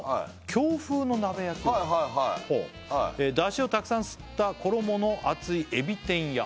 「京風の鍋焼きうどん」「出汁をたくさん吸った衣の厚いえび天や」